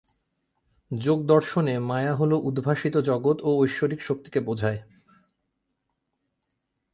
যোগ দর্শনে মায়া হল উদ্ভাসিত জগৎ ও ঐশ্বরিক শক্তিকে বোঝায়।